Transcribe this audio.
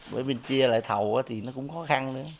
bởi vì chia lại thầu thì nó cũng khó khăn